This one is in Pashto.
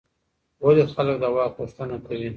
ولي خلګ د واک غوښتنه کوي؟